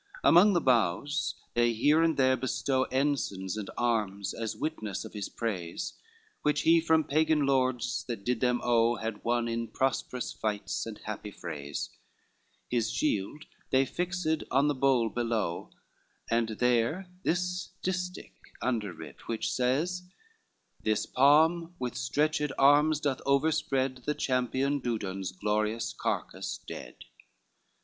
LXXIII Among the boughs, they here and there bestow Ensigns and arms, as witness of his praise, Which he from Pagan lords, that did them owe, Had won in prosperous fights and happy frays: His shield they fixed on the hole below, And there this distich under writ, which says, "This palm with stretched arms, doth overspread The champion Dudon's glorious carcase dead."